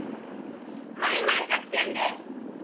マイマイ作戦です！